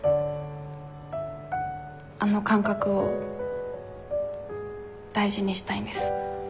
あの感覚を大事にしたいんです。